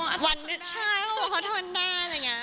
อัตตาทนได้ใช่เขาทนได้